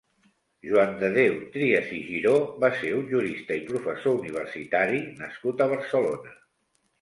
Joan de Déu Trias i Giró va ser un jurista i professor universitari nascut a Barcelona.